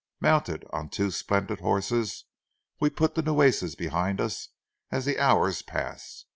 Mounted on two splendid horses, we put the Nueces behind us as the hours passed.